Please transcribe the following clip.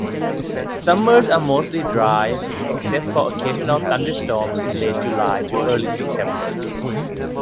Summers are mostly dry, except for occasional thunderstorms in late July to early September.